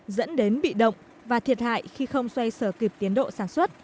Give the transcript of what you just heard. dẫn đến bị động và thiệt hại khi không xoay sở kịp tiến độ sản xuất